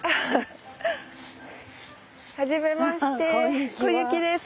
初めまして小雪です。